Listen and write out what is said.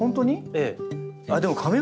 ええ。